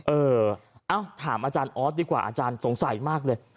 เอ้าถามอาจารย์ออสดีกว่าอาจารย์สงสัยมากเลย